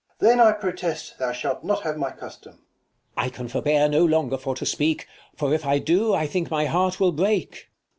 Mum. Then I protest thou shalt not have my custom. King. I can forbear no longer for to speak : 'i For if I do, I think my heart will break.